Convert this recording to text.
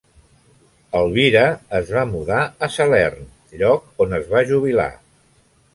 Elvira es va mudar a Salern, lloc on es va jubilar.